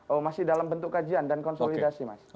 oh masih dalam bentuk kajian dan konsolidasi mas